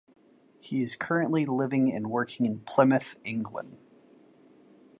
He is currently living and working in Plymouth, England.